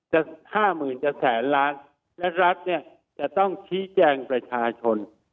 ห้าหมื่นจะแสนล้านและรัฐเนี่ยจะต้องชี้แจงประชาชน